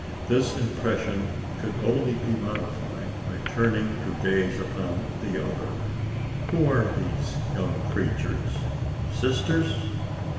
This impression could only be modified, by turning to gaze upon the other. Who are these young creatures? Sisters?